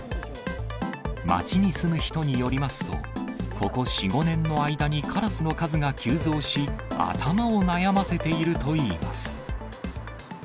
街に住む人によりますと、ここ４、５年の間にカラスの数が急増し、頭を悩ませているといいます。